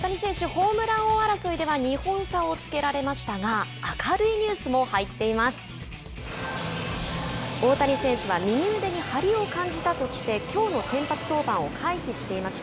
ホームラン王争いでは２本差をつけられましたが明るいニュースも入っています。